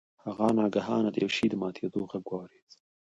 هغه ناگهانه د یو شي د ماتیدو غږ واورید.